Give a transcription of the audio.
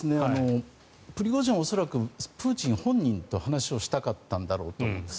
プリゴジン氏は恐らくプーチン本人と話をしたかったんだろうと思います。